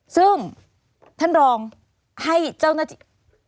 ซึ่งท่านรองให้เจ้าหน้าที่